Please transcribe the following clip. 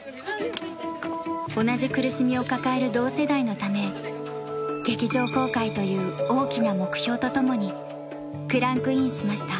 同じ苦しみを抱える同世代のため劇場公開という大きな目標とともにクランクインしました。